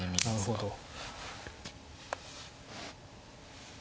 なるほど。